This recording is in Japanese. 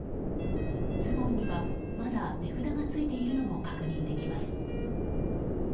ズボンにはまだ値札がついているのも確認できます。